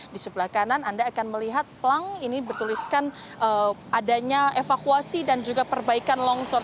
di sebelah kanan anda akan melihat pelang ini bertuliskan adanya evakuasi dan juga perbaikan longsor